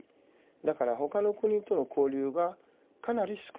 だから他の国との交流がかなり少ない。